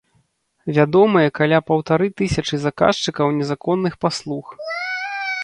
Вядомыя каля паўтары тысячы заказчыкаў незаконных паслуг.